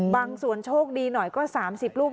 บางส่วนโชคดีหน่อยก็๓๐ลูก